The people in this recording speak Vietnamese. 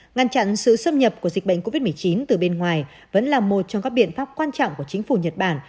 ngăn chặn sự xâm nhập của dịch bệnh covid một mươi chín từ bên ngoài vẫn là một trong các biện pháp quan trọng của chính phủ nhật bản